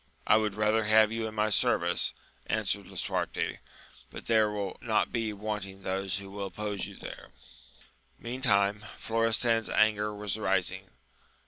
I had rather have you in my service, answered Lisuarte ; but there will not be wanting those who will oppose you there. Meantime Florestan's anger was rising.